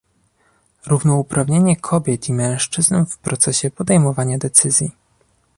Równouprawnienie kobiet i mężczyzn w procesie podejmowania decyzji